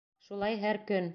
Шулай һәр көн...